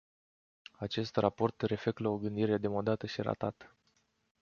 Acest raport reflectă o gândire demodată și ratată.